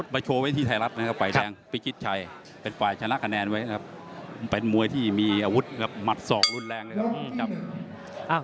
๑๒๖ปอดพิชิตชัยเป็นฝ่ายชนะคะแนนไว้นะครับเป็นมวยที่มีอาวุธมัดสองรุนแรงนะครับ